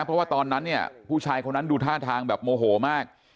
เพราะว่าตอนนั้นเนี่ยผู้ชายคนนั้นดูท่าทางแบบโมโหมาก